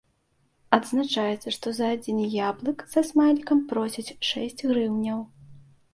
Адзначаецца, што за адзін яблык са смайлікам просяць шэсць грыўняў.